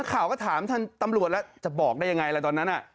ก็ถามที่ทหารตำรวจนะจะบอกได้ยังไงครับดอนนั้น